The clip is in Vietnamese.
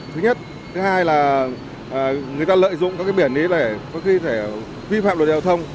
thứ nhất thứ hai là người ta lợi dụng các cái biển ấy để có khi phải vi phạm đồn giao thông